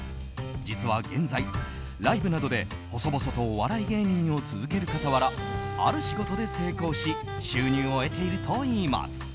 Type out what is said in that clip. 実は現在、ライブなどで細々とお笑い芸人を続ける傍らある仕事で成功し収入を得ているといいます。